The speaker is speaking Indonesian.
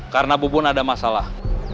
karena bobon ada masalah